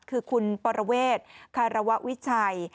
คือคุณปรเวทคารวะวิชัย